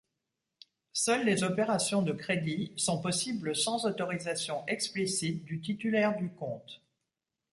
Seules les opérations de crédit sont possibles sans autorisation explicite du titulaire du compte.